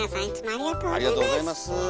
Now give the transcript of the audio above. ありがとうございます。